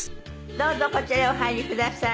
どうぞこちらへお入りください。